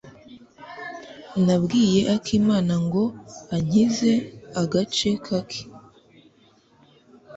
Nabwiye akimana ngo ankize agace kake.